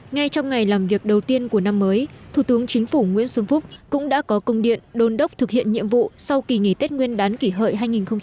ngay trong ngày làm việc đầu tiên của năm mới thủ tướng chính phủ nguyễn xuân phúc cũng đã có công điện đôn đốc thực hiện nhiệm vụ sau kỳ nghỉ tết nguyên đán kỷ hợi hai nghìn một mươi chín